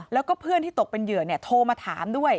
แล้วก็เพื่อนที่ตกเป็นเหยื่อโทรมาถามด้วย